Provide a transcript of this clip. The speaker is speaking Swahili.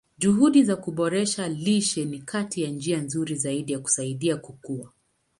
Juhudi za kuboresha lishe ni kati ya njia nzuri zaidi za kusaidia kukua.